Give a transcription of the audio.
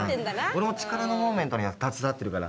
俺も力のモーメントには携わってるから。